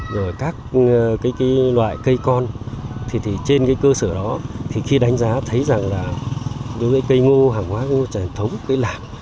rồi các loại cây con trên cơ sở đó khi đánh giá thấy rằng là đối với cây ngô hàng hóa cây trải thống cây lạc